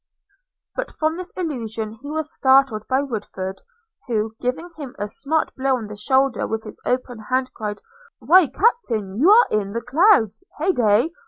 But from this illussion he was startled by Woodford; who, giving him a smart blow on the shoulder with his open hand, cried, 'Why, Captain! You are in the clouds! Hey day!